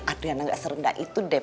adriana gak serendah itu deh